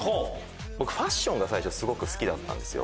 僕ファッションが最初すごく好きだったんですよ。